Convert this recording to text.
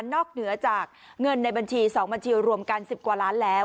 เหนือจากเงินในบัญชี๒บัญชีรวมกัน๑๐กว่าล้านแล้ว